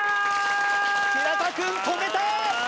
平田君止めた！